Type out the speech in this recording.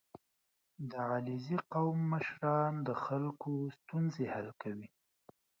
• د علیزي قوم مشران د خلکو ستونزې حل کوي.